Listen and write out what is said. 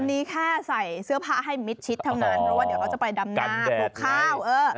อันนี้แค่ใส่เสื้อผ้าให้มิดชิดเท่านั้นเพราะว่าเดี๋ยวเขาจะไปดำหน้าปลูกข้าว